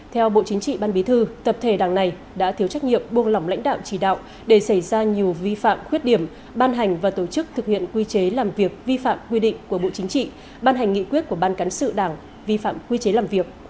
theo bộ chính trị ban bí thư tập thể đảng này đã thiếu trách nhiệm buông lỏng lãnh đạo chỉ đạo để xảy ra nhiều vi phạm khuyết điểm ban hành và tổ chức thực hiện quy chế làm việc vi phạm quy định của bộ chính trị ban hành nghị quyết của ban cán sự đảng vi phạm quy chế làm việc